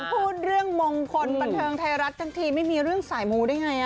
พูดเรื่องมงคลบันเทิงไทยรัฐทั้งทีไม่มีเรื่องสายมูได้ไง